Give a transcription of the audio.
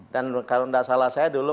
dan kalau enggak salah saya dulu